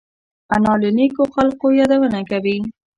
انا له نیکو خلقو یادونه کوي